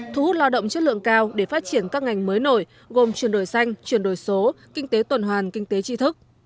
thu hút lao động chất lượng cao để phát triển các ngành mới nổi gồm chuyển đổi xanh chuyển đổi số kinh tế tuần hoàn kinh tế tri thức